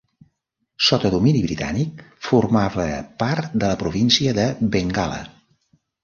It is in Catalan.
Sota domini britànic formava part de la província de Bengala.